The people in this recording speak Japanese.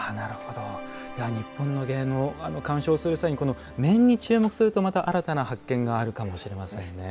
日本の芸能を鑑賞する際面に注目するとまた新たな発見があるかもしれませんね。